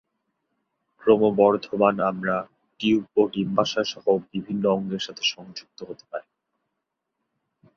ক্রমবর্ধমান অমরা, টিউব ও ডিম্বাশয় সহ বিভিন্ন অঙ্গের সাথে সংযুক্ত হতে পারে।